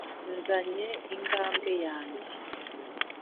nzanye ingabwe ya njye,